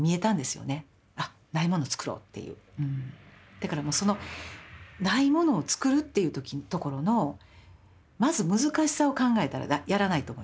だからもうその「ないものをつくる」っていうところのまず難しさを考えたらやらないと思います。